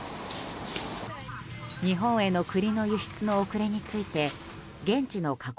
日本への栗の輸出の遅れについて現地の加工